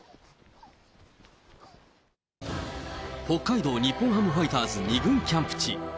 北海道日本ハムファイターズ２軍キャンプ地。